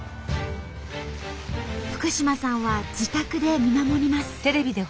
福嶋さんは自宅で見守ります。